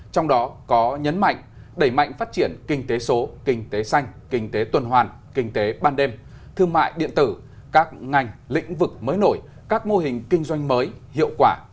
trong đó có nhấn mạnh đẩy mạnh phát triển kinh tế số kinh tế xanh kinh tế tuần hoàn kinh tế ban đêm thương mại điện tử các ngành lĩnh vực mới nổi các mô hình kinh doanh mới hiệu quả